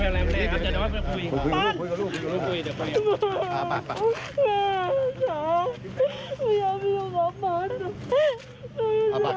พูดคุยกับลูก